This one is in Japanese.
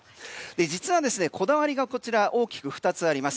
実は、こちらこだわりが大きく２つあります。